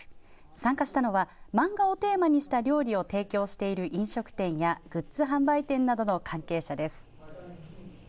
参加したのは漫画テーマにした料理を提供している飲食店やグッズ販売店などの関係者です。